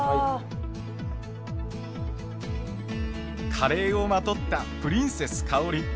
カレーをまとったプリンセスかおり。